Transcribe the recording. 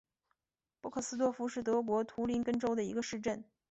波克斯多夫是德国图林根州的一个市镇。